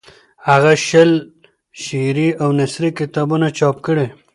هغه شل شعري او نثري کتابونه چاپ کړي.